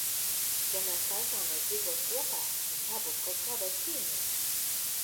Ja mēs taisāmies dzīvot kopā ir jābūt kaut kādai cieņai!